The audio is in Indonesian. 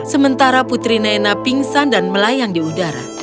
sementara putri naina pingsan dan melayang di udara